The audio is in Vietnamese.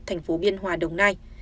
thành phố biên hòa đồng nai